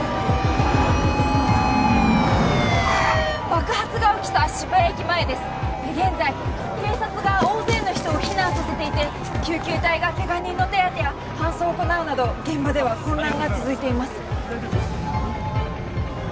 爆発が起きた渋谷駅前です現在警察が大勢の人を避難させていて救急隊がケガ人の手当てや搬送を行うなど現場では混乱が続いています大丈夫？